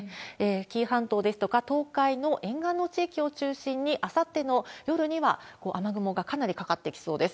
紀伊半島ですとか東海の沿岸の地域を中心に、あさっての夜には雨雲がかなりかかってきそうです。